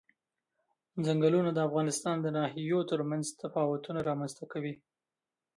ځنګلونه د افغانستان د ناحیو ترمنځ تفاوتونه رامنځ ته کوي.